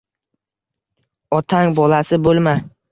Otang bolasi bo’lma